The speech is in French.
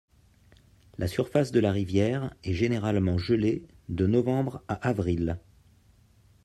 La surface de la rivière est généralement gelée de novembre à avril.